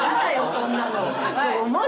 そんなの。